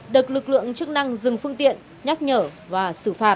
được lực lượng chức năng dừng phương tiện nhắc nhở và xử phạt